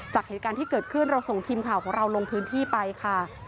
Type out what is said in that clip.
จากเหตุการณ์ที่เกิดขึ้นเราส่งทีมข่าวของเราลงพื้นที่ไปค่ะ